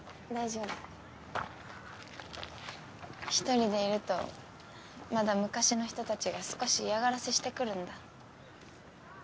一人でいるとまだ昔の人たちが少し嫌がらせしてくるんだ。